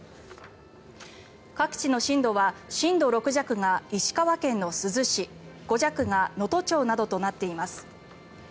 各地の震度は震度６弱が石川県の珠洲市５弱が能登町などとなっています。